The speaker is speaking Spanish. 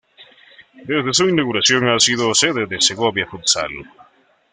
Desde su inauguración ha sido sede del Segovia Futsal.